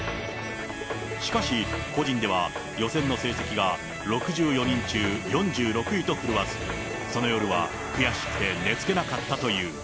しかし、個人では予選の成績が６４人中４６位と振るわず、その夜は悔しくて寝つけなかったという。